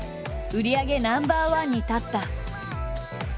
売り上げナンバーワンに立った。